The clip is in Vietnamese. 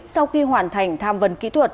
sau khi hoàn thành tham vấn kỹ thuật